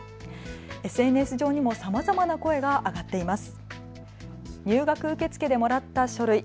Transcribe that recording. ＳＮＳ上にもさまざまな声が上がっています。